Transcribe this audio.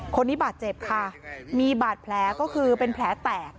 คนนี้บาดเจ็บค่ะมีบาดแผลก็คือเป็นแผลแตก